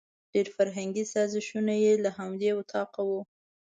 ډېري فرهنګي سازشونه یې له همدې وطاقه وو.